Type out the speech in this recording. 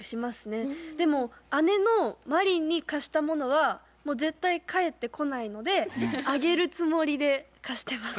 でも姉の真凜に貸したものはもう絶対返ってこないのであげるつもりで貸してます。